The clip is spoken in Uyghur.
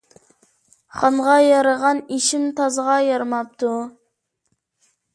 خانغا يارىغان ئىشىم تازغا يارىماپتۇ